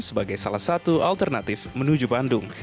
sebagai salah satu alternatif menuju bandung